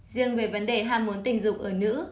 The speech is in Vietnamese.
riêng về vấn đề ham muốn tình dục ở nữ